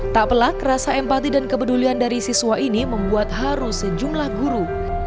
tak pelak rasa empati dan kepedulian dari siswa ini membuat harus sejumlah guru